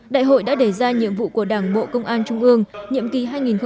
đại hội đã đề ra nhiệm vụ của đảng bộ công an trung ương nhiệm kỳ hai nghìn hai mươi hai nghìn hai mươi năm